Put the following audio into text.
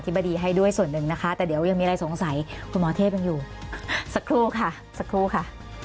แต่เดี๋ยวยังมีอะไรสงสัยคุณหมอเทพยังอยู่สักครู่ค่ะ